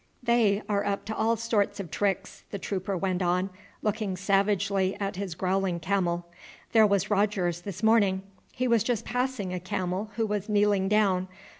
"They are up to all sorts of tricks," the trooper went on, looking savagely at his growling camel. "There was Rogers, this morning, he was just passing a camel who was kneeling down.